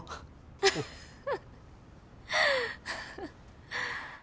フフフフ。